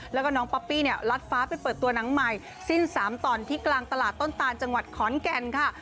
แล้วก็น้องป๊อปปี้เนี่ยลัดฟ้าไปเปิดตัวหนังใหม่สิ้นสามต่อนที่กลางตลาดต้นตานจังหวัดขอนแก่นค่ะ